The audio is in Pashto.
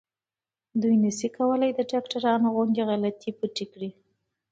دوی نشي کولای د ډاکټرانو غوندې غلطي پټه کړي.